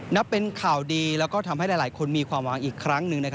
นับเป็นข่าวดีแล้วก็ทำให้หลายคนมีความหวังอีกครั้งหนึ่ง